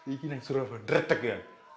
ini yang surabaya redek ya